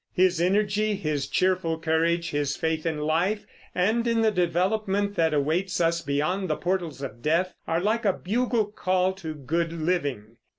His energy, his cheerful courage, his faith in life and in the development that awaits us beyond the portals of death, are like a bugle call to good living.